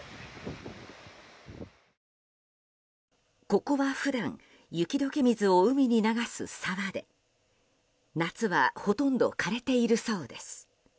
ここは普段雪解け水を海に流す沢で夏はほとんど枯れているそうです。